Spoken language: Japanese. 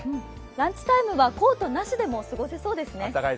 ランチタイムはコートなしでも過ごせそうですね。